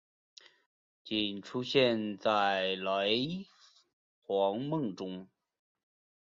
仅出现在雷凰梦中。